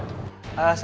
saya sudah di atas om